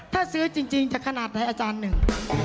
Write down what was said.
ถ้าซื้อจริงจะขนาดไหนอาจารย์หนึ่ง